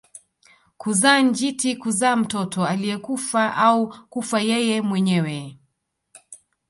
Kuzaa njiti kuzaa mtoto aliyekufa au kufa yeye mwenyewe